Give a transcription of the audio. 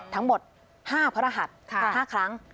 ทั้งหมด๕พระรหัส๕ครั้ง